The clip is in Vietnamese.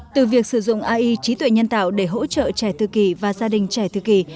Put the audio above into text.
từ việc sử dụng ai trí tuệ nhân tạo để hỗ trợ trẻ thư kỳ và gia đình trẻ thư kỳ